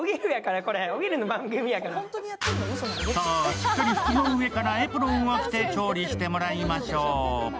しっかり服の上からエプロンを着け調理してもらいましょう。